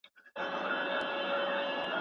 شرعي ضوابط بايد تل په پام کي ونيول سي.